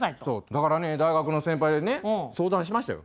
だからね大学の先輩にね相談しましたよ。